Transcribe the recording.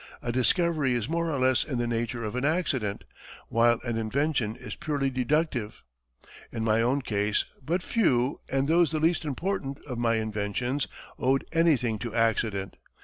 "A discovery is more or less in the nature of an accident, while an invention is purely deductive. In my own case, but few, and those the least important, of my inventions, owed anything to accident.